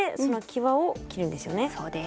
そうです。